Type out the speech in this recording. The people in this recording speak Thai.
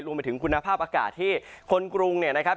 รวมไปถึงคุณภาพอากาศที่คนกรุงเนี่ยนะครับ